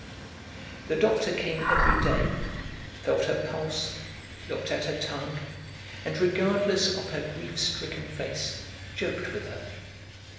The doctor came every day, felt her pulse, looked at her tongue, and regardless of her grief stricken face joked with her.